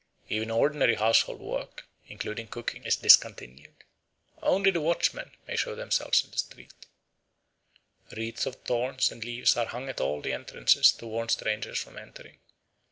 Even ordinary household work, including cooking, is discontinued. Only the watchmen may show themselves in the streets. Wreaths of thorns and leaves are hung at all the entrances to warn strangers from entering.